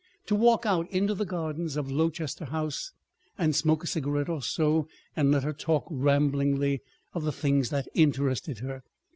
—to walk out into the gardens of Lowchester House, and smoke a cigarette or so and let her talk ramblingly of the things that interested her.